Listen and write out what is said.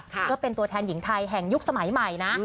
เพื่อเป็นตัวแทนหญิงไทยแห่งยุคสมัยใหม่นะ